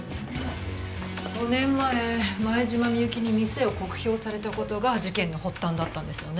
５年前前島美雪に店を酷評された事が事件の発端だったんですよね。